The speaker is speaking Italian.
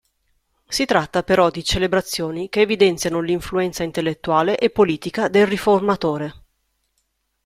Si tratta però di celebrazioni che evidenziano l'influenza intellettuale e politica del Riformatore.